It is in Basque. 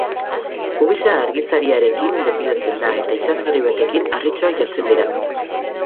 Pubisa argizariarekin depilatzen da eta itsasgarri batekin harritxoak jartzen dira.